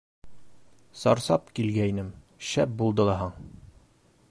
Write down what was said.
Сарсап килгәйнем, шәп булды лаһаң!